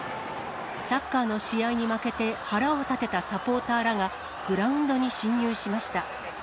サッカーの試合に負けて、腹を立てたサポーターらが、グラウンドに侵入しました。